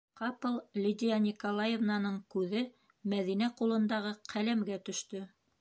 - Ҡапыл Лидия Николаевнаның күҙе Мәҙинә ҡулындағы ҡәләмгә төштө.